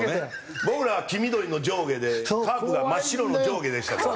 僕らは黄緑の上下でカープが真っ白の上下でしたから。